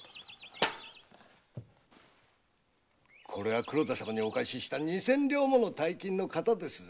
これは黒田様にお貸しした二千両もの大金のカタですぜ。